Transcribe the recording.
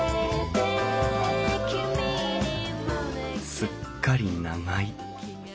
すっかり長居。